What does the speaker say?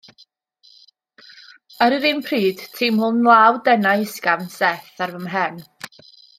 Ar yr un pryd teimlwn law denau ysgafn Seth ar fy mhen.